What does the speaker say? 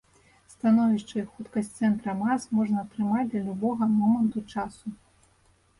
Становішча і хуткасць цэнтра мас можна атрымаць для любога моманту часу.